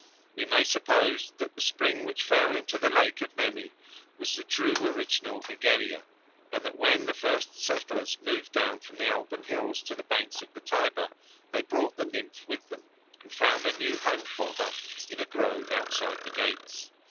We may suppose that the spring which fell into the lake of Nemi was the true original Egeria, and that when the first settlers moved down from the Alban hills to the banks of the Tiber they brought the nymph with them and found a new home for her in a grove outside the gates.